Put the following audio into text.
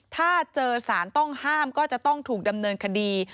ถ้าเจอสารต้องห้ามก็จะต้องถูกดำเนินคดี